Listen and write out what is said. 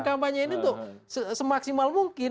kampanye ini untuk semaksimal mungkin